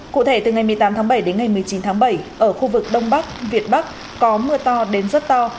cụ thể từ ngày một mươi tám tháng bảy đến ngày một mươi chín tháng bảy ở khu vực đông bắc việt bắc có mưa to đến rất to